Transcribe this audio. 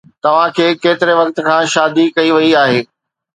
توهان کي ڪيتري وقت کان شادي ڪئي وئي آهي؟